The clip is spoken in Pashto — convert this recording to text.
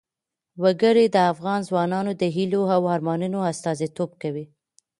وګړي د افغان ځوانانو د هیلو او ارمانونو استازیتوب کوي.